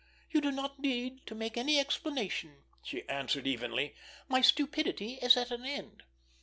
"You do not need to make any explanation," she answered evenly. "My stupidity is at an end!